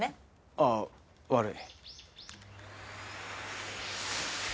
ああ悪い。